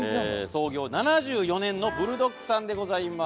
「創業７４年のブルドックさんでございます」